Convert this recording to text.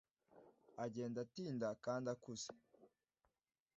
agenda atinda kandi akuze.